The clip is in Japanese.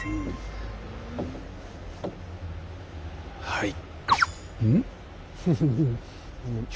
はい。